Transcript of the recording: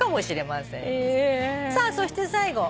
さあそして最後。